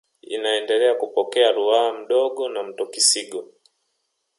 Inaendelea kupokea Ruaha Mdogo na mto Kisigo